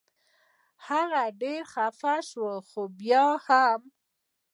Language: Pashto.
هغه ډېره خفه شوه خو بیا یې هم.